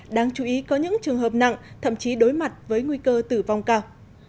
đáng chú ý có những trường hợp nặng thậm chí đối mặt với nguy cơ tử vong cao